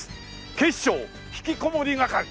『警視庁ひきこもり係』。